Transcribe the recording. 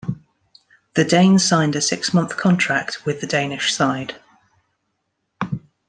The Dane signed a six-month contract with the Danish side.